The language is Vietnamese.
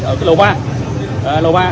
ở lầu ba